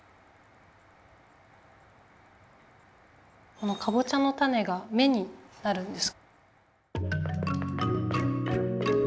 このかぼちゃの種が目になるんです。